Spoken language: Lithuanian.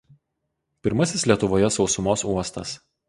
Pirmasis Lietuvoje sausumos uostas.